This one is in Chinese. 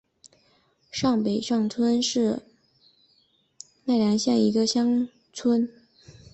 上北山村是奈良县南部的一村。